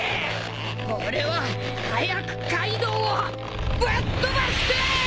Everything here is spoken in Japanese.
俺は早くカイドウをぶっ飛ばしてえ！